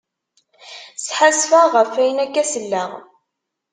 Sḥassfeɣ ɣef ayen akka selleɣ.